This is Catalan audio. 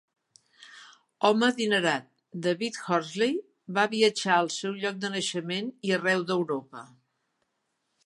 Home adinerat, David Horsley va viatjar al seu lloc de naixement i arreu d'Europa.